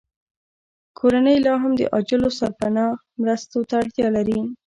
کورنۍ لاهم د عاجلو سرپناه مرستو ته اړتیا لري